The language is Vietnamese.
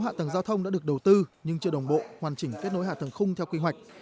hạ tầng giao thông đã được đầu tư nhưng chưa đồng bộ hoàn chỉnh kết nối hạ tầng khung theo quy hoạch